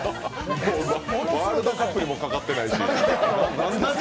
ワールドカップにもかかってないし。